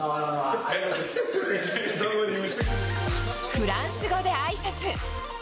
フランス語であいさつ。